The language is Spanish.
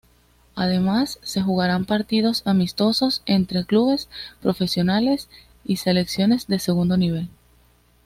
Además se jugarán partidos amistosos entre clubes profesionales y selecciones de segundo nivel.